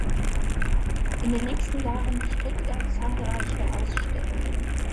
In den nächsten Jahren bestritt er zahlreiche Ausstellungen.